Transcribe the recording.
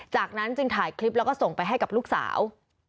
จากนั้นจึงถ่ายคลิปแล้วก็ส่งไปให้กับลูกสาว